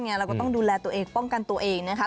เราก็ต้องดูแลตัวเองป้องกันตัวเองนะคะ